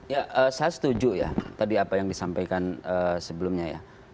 ya saya setuju ya tadi apa yang disampaikan sebelumnya ya